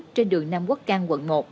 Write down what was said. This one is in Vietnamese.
trên đường nam quốc cang quận một